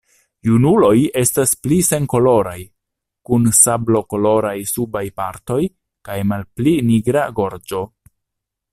Junuloj estas pli senkoloraj, kun sablokoloraj subaj partoj kaj malpli nigra gorĝo.